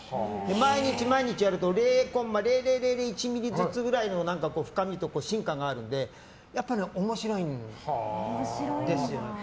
毎日毎日やると０コンマ０００１ミリずつ深みと進化があるのでやっぱり面白いんですよ。